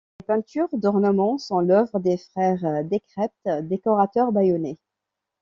Les peintures d'ornement sont l’œuvre des frères Decrept, décorateurs bayonnais.